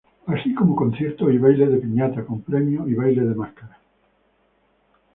Así como conciertos y bailes de piñata con premios y bailes de máscaras.